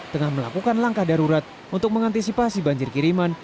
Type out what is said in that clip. tengah melakukan langkah darurat untuk mengantisipasi banjir kiriman